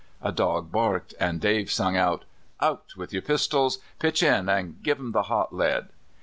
A dog barked, an' Dave sung out: ' Out with your pistols I pitch in, an' give 'em the hot lead!'